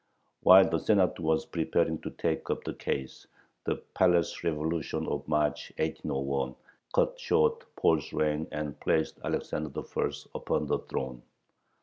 While the Senate was preparing to take up the case, the palace revolution of March, 1801, cut short Paul's reign, and placed Alexander I. upon the throne.